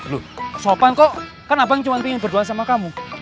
loh sopan kok kan abang cuma pengen berdoa sama kamu